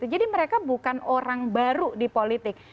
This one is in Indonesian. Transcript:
jadi mereka bukan orang baru di politik